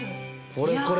これこれ！